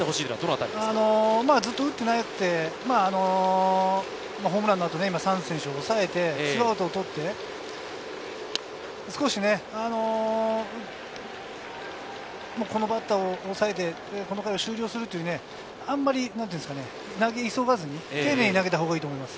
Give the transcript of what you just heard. ずっと打っていなくて、ホームランの後、サンズ選手を抑えて、２アウト取って、このバッターを抑えてこの回を終了するという、投げ急がずに丁寧に投げたほうがいいと思います。